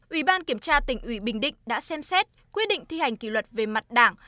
ủy ban kiểm tra tỉnh ủy bình định đã xem xét quyết định thi hành kỷ luật về mặt đảng